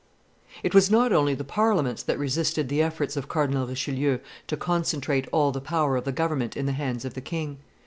It was not only the Parliaments that resisted the efforts of Cardinal Richelieu to concentrate all the power of the government in the hands of the king.